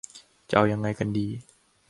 จะเอายังไงกันดี ?